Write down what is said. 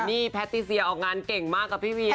นี่แพทติเซียออกงานเก่งมากกับพี่เวีย